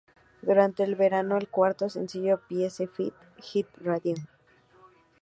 Durante el verano, el cuarto sencillo "Pieces Fit" hit radio.